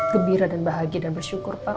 gembira dan bahagia dan bersyukur pak